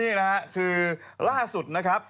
เนี่ยะนะครับล่าสุดนะครับ